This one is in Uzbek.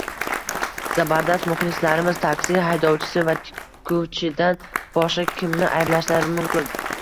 Zabardast muxlislarimiz taksi haydovchisi va tikuvchidan boshqa kimni ayblashlari mumkin?